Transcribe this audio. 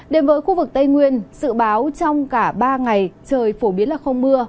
đến với khu vực tây nguyên dự báo trong cả ba ngày trời phổ biến là không mưa